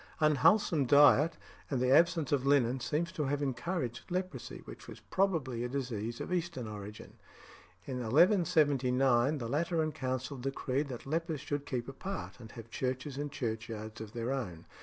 Unwholesome diet and the absence of linen seem to have encouraged leprosy, which was probably a disease of Eastern origin. In 1179 the Lateran Council decreed that lepers should keep apart, and have churches and churchyards of their own.